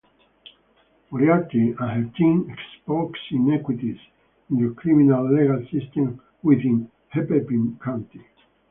Moriarty and her team exposed inequities in the criminal legal system within Hennepin County.